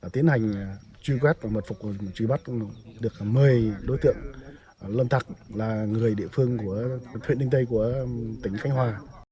tiến hành truy quét và mật phục truy bắt được một mươi đối tượng lâm tặc là người địa phương của huyện ninh tây của tỉnh khánh hòa